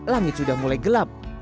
langit sudah mulai gelap